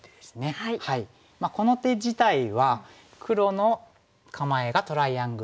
この手自体は黒の構えがトライアングルになる